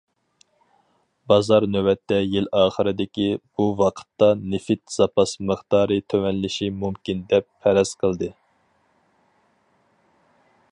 بازار نۆۋەتتە يىل ئاخىرىدىكى بۇ ۋاقىتتا نېفىت زاپاس مىقدارى تۆۋەنلىشى مۇمكىن دەپ پەرەز قىلدى.